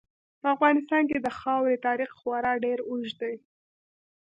په افغانستان کې د خاورې تاریخ خورا ډېر اوږد دی.